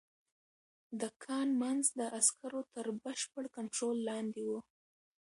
د کان منځ د عسکرو تر بشپړ کنترول لاندې و